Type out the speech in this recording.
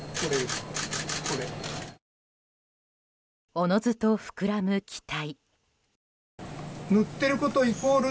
おのずと膨らむ期待。